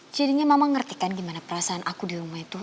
jadinya mama ngerti kan gimana perasaan aku di rumah itu